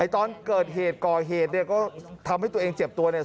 ตอนเกิดเหตุกอเหตุก็ทำให้ตัวเองเจ็บตัว